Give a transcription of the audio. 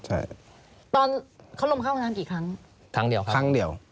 ใช่ตอนเขาลมเข้าห้องน้ำกี่ครั้งครั้งเดียวครับครั้งเดียว